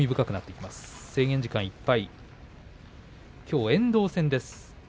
きょう遠藤戦です。